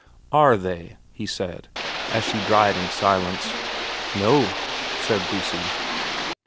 * Are they,' he said, as she dried in silence. ' No,' said Lucy.